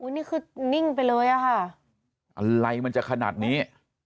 นี่คือนิ่งไปเลยอะค่ะอะไรมันจะขนาดนี้